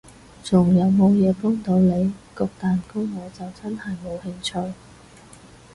仲有無嘢幫到你？焗蛋糕我就真係冇興趣